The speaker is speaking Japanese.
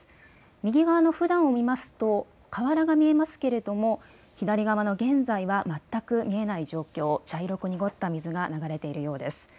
右側のふだんを見ますと川原が見えますけれども左側の現在は全く見えない状況、茶色く濁った水が流れているようです。